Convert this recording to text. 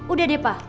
udah deh pa